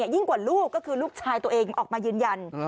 ยิ่งกว่าลูกก็คือลูกชายตัวเองออกมายืนยัน